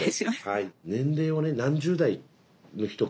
はい。